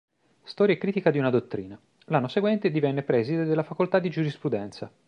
Storia e critica di una dottrina"; l'anno seguente divenne preside della Facoltà di Giurisprudenza.